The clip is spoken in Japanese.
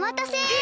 え